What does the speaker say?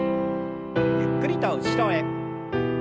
ゆっくりと後ろへ。